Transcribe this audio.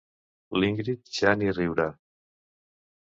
L'Ingrid ja ni riurà.